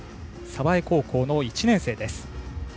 鯖江高校の１年生です。